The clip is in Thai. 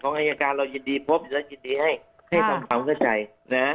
อายการเรายินดีพบและยินดีให้ให้ทำความเข้าใจนะ